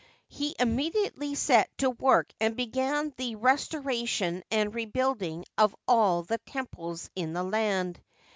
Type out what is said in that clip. He immediately set to work and began the restoration and rebuilding of all the temples in the land.